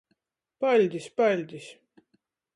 Paļdis, paļdis!